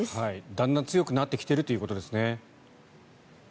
だんだん強くなってきているということですね。